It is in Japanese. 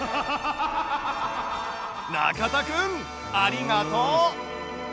中田くんありがとう！